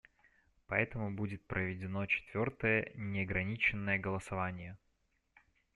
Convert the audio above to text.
Поэтому будет проведено четвертое неограниченное голосование.